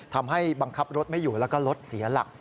ทำให้บังคับรถไม่อยู่แล้วก็รถเสียหลัก